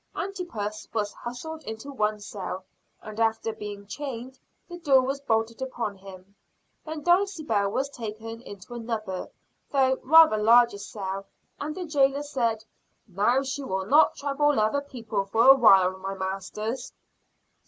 Antipas was hustled into one cell, and, after being chained, the door was bolted upon him. Then Dulcibel was taken into another, though rather larger cell, and the jailor said, "Now she will not trouble other people for a while, my masters."